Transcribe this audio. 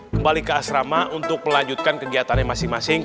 kembali ke asrama untuk melanjutkan kegiatannya masing masing